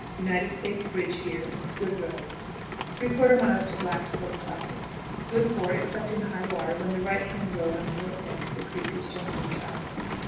United States bridge here; good road. 3/4. Black's Fork Crossing. Good ford except in high water, when the right hand road on the north bank of the creek is generally traveled.